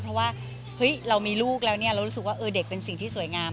เพราะว่าเรามีลูกแล้วเรารู้สึกว่าเด็กเป็นสิ่งที่สวยงาม